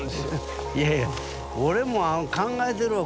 いやいや俺も考えてるわ。